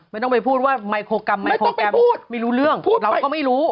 ไม่ต้องไปพูดว่าไมโครกรรมไมโครกรรมไม่ต้องไปพูดไม่รู้เรื่องเราก็ไม่รู้